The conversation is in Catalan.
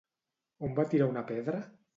On va tirar una pedra?